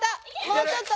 もうちょっと。